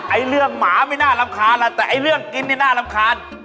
ไอ้เรื่องหมาไม่น่ารำคาญล่ะแต่ไอ้เรื่องกินนี่น่ารำคาญ